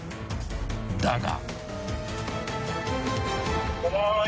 ［だが］